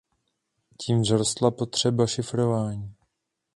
Tím vzrostla potřeba šifrování.